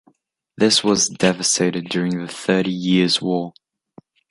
This was devastated during the Thirty Years' War.